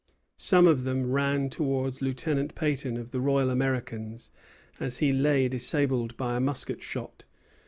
Some of them ran towards Lieutenant Peyton, of the Royal Americans, as he lay disabled by a musket shot.